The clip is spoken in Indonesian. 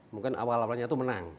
mungkin awal awalnya itu menang